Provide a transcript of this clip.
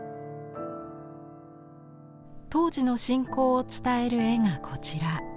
当時の信仰を伝える絵がこちら。